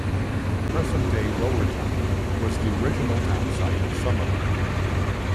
Present day Lower Town was the original town site of Summerland.